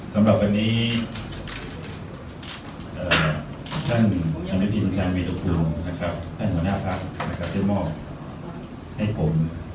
สำหรับวันนี้ท่านอันวิทินชาญมีดุกรูท่านหัวหน้าภักดิ์ที่มอบให้ผม